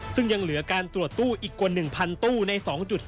ซึ่งยังเหลือการตรวจตู้อีกกว่า๑๐๐ตู้ใน๒จุด